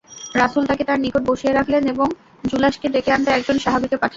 রাসূল তাকে তাঁর নিকট বসিয়ে রাখলেন এবং জুলাসকে ডেকে আনতে একজন সাহাবীকে পঠালেন।